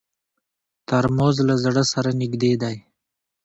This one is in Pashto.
ترموز له زړه سره نږدې دی.